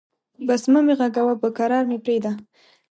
بس مه مې غږوه، به کرار مې پرېږده.